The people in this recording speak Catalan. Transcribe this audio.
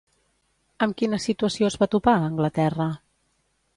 Amb quina situació es va topar a Anglaterra?